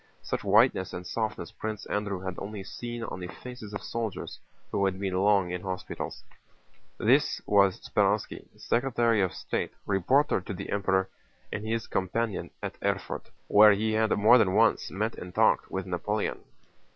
Such whiteness and softness Prince Andrew had only seen on the faces of soldiers who had been long in hospital. This was Speránski, Secretary of State, reporter to the Emperor and his companion at Erfurt, where he had more than once met and talked with Napoleon.